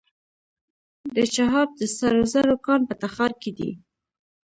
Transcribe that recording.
د چاه اب د سرو زرو کان په تخار کې دی.